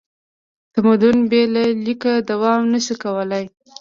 تمدن بې له لیکه دوام نه شي کولی.